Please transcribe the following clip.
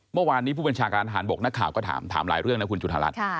เมื่อวานนี้ผู้บัญชาการทหารบกนักข่าวก็ถามหลายเรื่องนะคุณจุธารัฐ